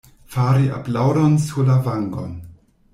Fari aplaŭdon sur la vangon.